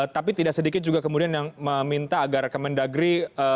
tapi tidak sedikit juga kemudian yang meminta agar kemendagri